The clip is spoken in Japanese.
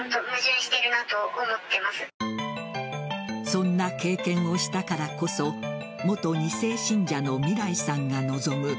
そんな経験をしたからこそ元２世信者のみらいさんが望む